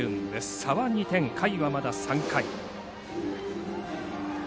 差は２点、回はまだ３回。